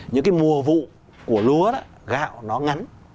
những cái mùa vụ của lúa gạo nó ngắn